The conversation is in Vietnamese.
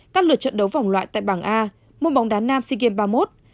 các lượt trận đấu vòng loại tại bảng a môn bóng đá nam sea games ba mươi một